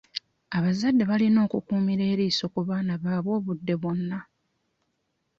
Abazadde balina okukuumira eriiso ku baana baabwe obudde bwonna.